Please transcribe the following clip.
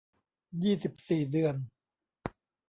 ยี่สิบสี่ เดือน